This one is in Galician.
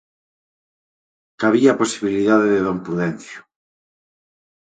Cabía a posibilidade de don Prudencio.